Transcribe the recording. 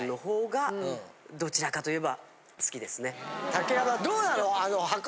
竹山どうなの？